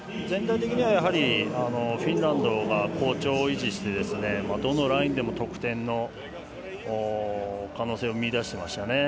全体的にはフィンランドが好調を維持していてどのラインでも得点の可能性を見いだしていました。